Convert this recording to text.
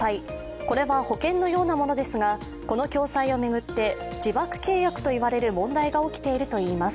これは保険のようなものですがこの共済を巡って自爆契約といわれる問題が起きているといいます。